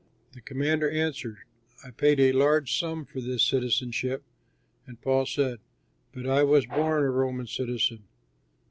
The commander answered, "I paid a large sum for this citizenship"; and Paul said, "But I was born a Roman citizen."